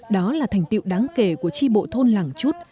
đó là thành tiệu đáng kể của tri bộ thôn làng chút